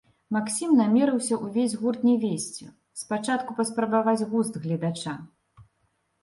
Максім намерыўся ўвесь гурт не весці, спачатку паспрабаваць густ гледача.